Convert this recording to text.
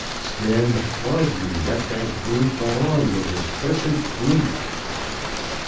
"Stemm, why do you let that brute go on with his cursed flute?"